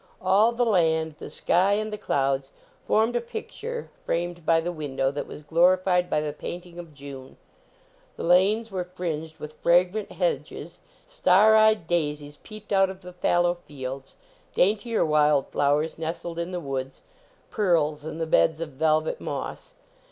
All the land, the sky and the clouds formed a picture framed by the window that was glorified by the painting of June. The lanes were fringed with fragrant hedges ; star eyed daisies peeped out of the fallow fields ; daintier wild flowers nestled in the woods, pearls in the beds of velvet moss.